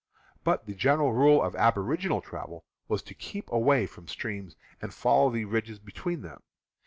But the gen eral rule of aboriginal travel was to keep away from streams and follow the ridges between them.